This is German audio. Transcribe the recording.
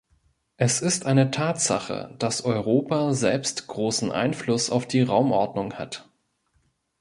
Es ist eine Tatsache, dass Europa selbst großen Einfluss auf die Raumordnung hat.